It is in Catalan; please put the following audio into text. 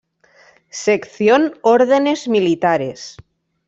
Seccion Ordenes Militares.